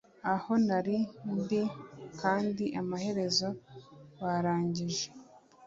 aho nari ndi kandi amaherezo warangije